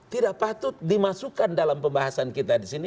tidak patut dimasukkan dalam pembahasan kita di sini